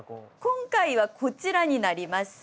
今回はこちらになります。